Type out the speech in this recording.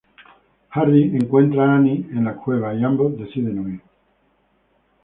Hardy encuentra a Annie en la cueva y ambos deciden huir.